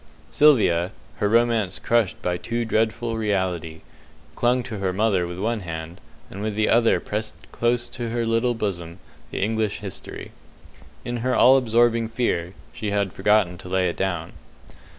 Sylvia her romance crushed by too dreadful reality clung to her mother with one hand, and with the other pressed close to her little bosom the "English History". In her all absorbing fear she had forgotten to lay it down.